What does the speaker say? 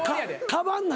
「かばん何？」